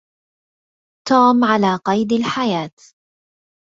توم على قيد الحياة.